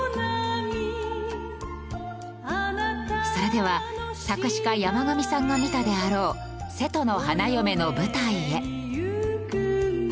それでは作詞家山上さんが見たであろう『瀬戸の花嫁』の舞台へ。